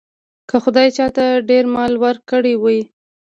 که خدای چاته ډېر مال ورکړی وي.